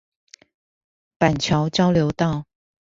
板橋交流道